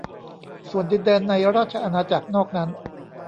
ส่วนดินแดนในราชอาณาจักรนอกนั้น